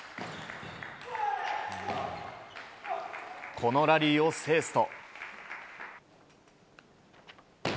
このラリーを制すと。